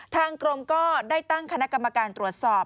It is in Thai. ทางกรมก็ได้ตั้งคณะกรรมการตรวจสอบ